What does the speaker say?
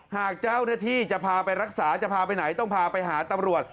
หากเจ้าหน้าที่จะพาไปรักษาจะพาไปไหนต้องพาไปหาตำรวจ